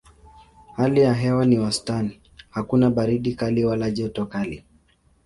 Hali ya hewa ni ya wastani: hakuna baridi kali wala joto kali.